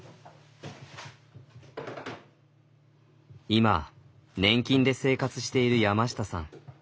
今年金で生活している山下さん。